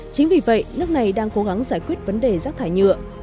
chính vì vậy nước này đang cố gắng giải quyết vấn đề rác thải nhựa